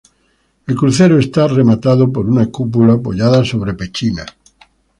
El crucero está rematado por una cúpula apoyada sobre pechinas.